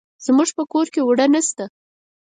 زموږ په کور کې اوړه نشته.